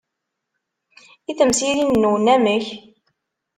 I temsirin-nwen, amek?